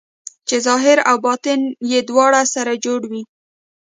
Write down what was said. چې ظاهر او باطن یې دواړه سره جوړ وي.